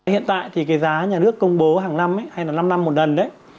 hiện tại thì cái giá nhà nước công bố hàng năm hay là năm năm một lần đấy